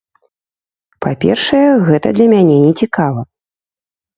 Па-першае, гэта для мяне нецікава.